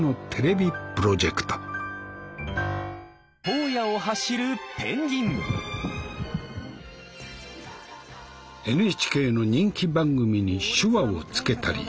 荒野を走るペンギンＮＨＫの人気番組に手話をつけたり。